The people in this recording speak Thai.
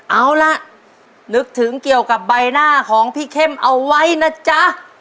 เอาล่ะนึกถึงเกี่ยวกับใบหน้าของพี่เข้มเอาไว้นะจ๊ะ